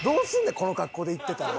この格好で行ってたら。